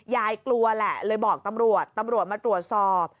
ยายกลัวแหละเลยบอกตำรวจตำรวจมาตรวจสอบ